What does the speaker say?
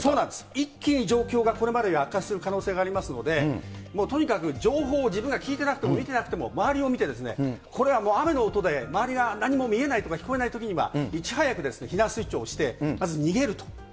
一気に状況がこれまでより悪化する可能性がありますので、もうとにかく情報を自分が聞いてなくても、見てなくても、周りを見て、これはもう、雨の音で周りが何も見えないとか、聞こえないときには、いち早く避難スイッチを押してまず逃げると。